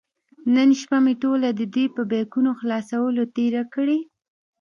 نن شپه مې ټوله د دې بیکونو په خلاصولو تېره کړې.